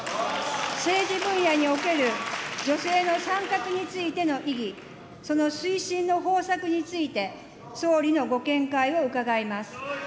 政治分野における女性の参画についての意義、その推進の方策について、総理のご見解を伺います。